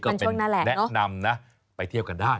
ก็เป็นแนะนำนะไปเที่ยวกันได้